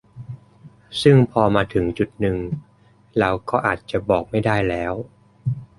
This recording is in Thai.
ซึ่งพอมาถึงจุดนึง เราก็อาจจะบอกไม่ได้แล้ว